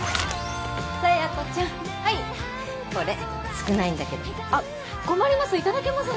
佐弥子ちゃんはいこれ少ないんだけどあ困りますいただけません